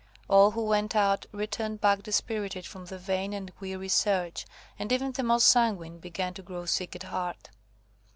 All who went out, returned back dispirited from the vain and weary search, and even the most sanguine began to grow sick at heart.